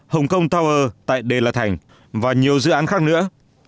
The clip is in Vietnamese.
hong kong tower tại đề lạ thành và nhiều dự án khác nữa